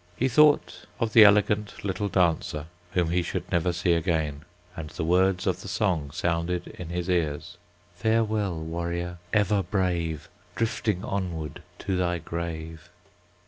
He thought of the elegant little dancer whom he should never see again, and the words of the song sounded in his ears "Farewell, warrior! ever brave, Drifting onward to thy grave."